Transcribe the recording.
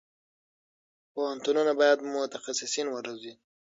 پوهنتونونه باید متخصصین وروزي.